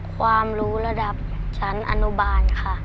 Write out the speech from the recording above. ความรู้ระดับชั้นอนุบาลค่ะ